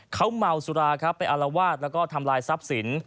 เขาเมาสุราครับไปอารวาสแล้วก็ทำลายทรัพย์สิน